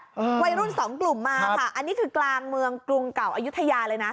วัยรุ่นสองกลุ่มมาค่ะอันนี้คือกลางเมืองกรุงเก่าอายุทยาเลยนะ